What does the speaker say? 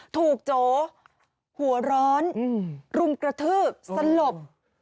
โจหัวร้อนรุมกระทืบสลบ